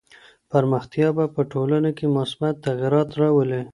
پرمختيا به په ټولنه کي مثبت تغيرات راولي.